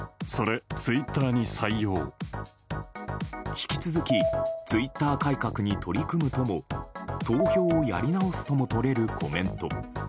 引き続きツイッター改革に取り組むとも投票をやり直すともとれるコメント。